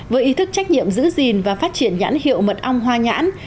với ý thức trách nhiệm giữ gìn và phát triển nhãn hiệu mật ong hoa nhãn